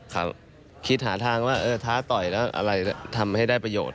ครับคิดหาทางว่าเออท้าต่อยแล้วอะไรทำให้ได้ประโยชน